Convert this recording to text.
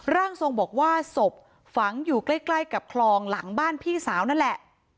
ร่างทรงบอกว่าศพฝังอยู่ใกล้กับคลองหลังบ้านพี่สาวนั่นแหละ